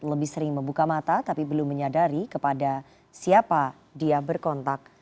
lebih sering membuka mata tapi belum menyadari kepada siapa dia berkontak